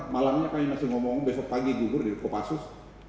malamnya kami masih ngomong besok pagi gugur di kopassus